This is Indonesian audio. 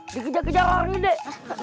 dia kejar kejar orang ini